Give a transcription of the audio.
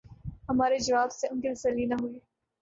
ہمارے جواب سے ان کی تسلی نہ ہوئی۔